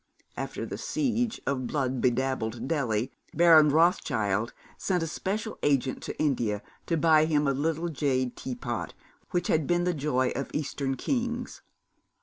After the siege of blood bedabbled Delhi, Baron Rothschild sent a special agent to India to buy him a little jade tea pot which had been the joy of Eastern Kings.